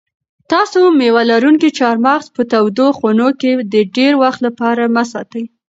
تاسو مېوه لرونکي چهارمغز په تودو خونو کې د ډېر وخت لپاره مه ساتئ.